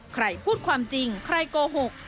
ใครพูดความจริงใครโกหก